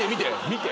見て！